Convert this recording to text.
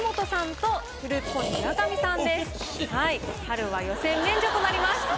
春は予選免除となります。